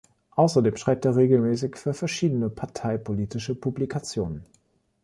Außerdem schreibt er regelmäßig für verschiedene parteipolitische Publikationen.